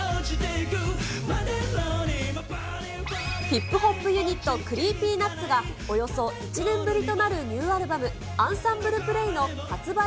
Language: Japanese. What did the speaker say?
ヒップホップユニット、ＣｒｅｅｐｙＮｕｔｓが、およそ１年ぶりとなるニューアルバム、アンサンブル・プレイの発売